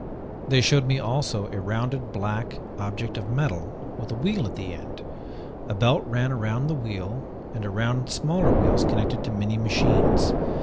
"They showed me also a rounded black object of metal with a wheel at the end. A belt ran around the wheel and around smaller wheels connected to many machines.